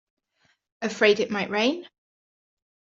Afraid it might rain?